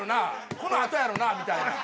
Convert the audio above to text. このあとやろなみたいな。